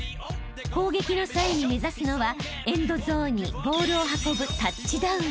［攻撃の際に目指すのはエンドゾーンにボールを運ぶ］